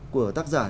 của tác giả